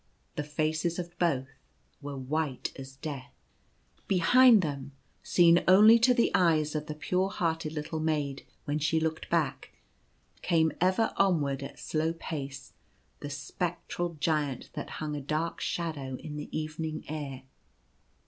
The faces of both were white as death. Behind them, seen only to the eyes of the pure hearted little maid when she looked back, came ever onward at slow pace the spectral Giant that hung a dark shadow in the evening air.